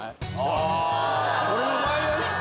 俺の場合はね。